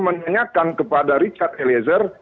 menyanyikan kepada richard eliezer